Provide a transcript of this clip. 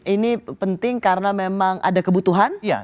ini penting karena memang ada kebutuhan